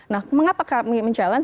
nah mengapa kami mengejelaskan